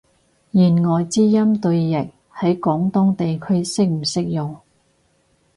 弦外之音對譯，喺廣東地區適唔適用？